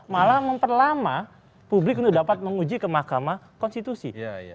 malah memperlama publik untuk dapat menguji ke mahkamah konstitusi